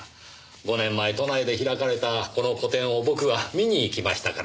５年前都内で開かれたこの個展を僕は見に行きましたから。